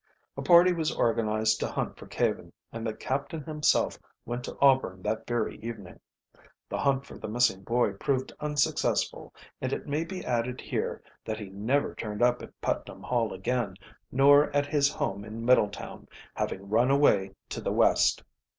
A party was organized to hunt for Caven, and the captain himself went to Auburn that very evening. The hunt for the missing boy proved unsuccessful, and it may be added here that he never turned up at Putnam Hall again nor at his home in Middletown, having run away to the West.